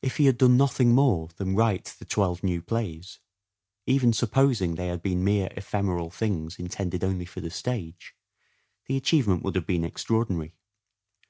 If he had done nothing more than write the twelve new plays, even supposing they had been mere ephemeral things intended only for the stage, the achievement would have been extraordinary.